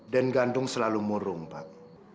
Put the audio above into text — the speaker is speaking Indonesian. dan gandung selalu murung pak